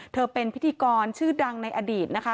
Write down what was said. เธอเป็นพิธีกรชื่อดังในอดีตนะคะ